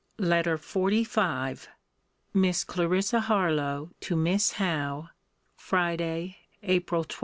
LETTER XLV MISS CLARISSA HARLOWE, TO MISS HOWE FRIDAY, APRIL 22.